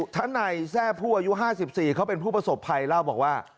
ทนายแทร่ผู้อายุ๕๔เขาเป็นผู้ประสบภัยเล่าบอกว่า